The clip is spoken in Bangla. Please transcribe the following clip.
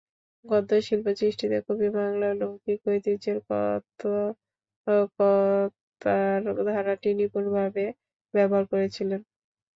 গদ্যশিল্প সৃষ্টিতে কবি বাংলার লৌকিক ঐতিহ্যের কথকতার ধারাটিকে নিপুণভাবে ব্যবহার করেছিলেন।